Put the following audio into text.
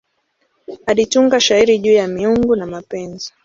Alitunga shairi juu ya miungu na mapenzi.